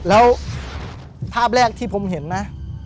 แล้วภาพแรกที่ผมเห็นนะ